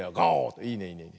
いいねいいね。